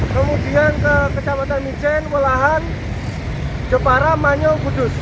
kemudian ke kecamatan mijen walahan jepara manyo kudus